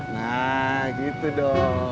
nah gitu dong